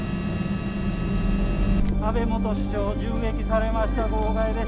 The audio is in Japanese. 安倍元首相、銃撃されました、号外です。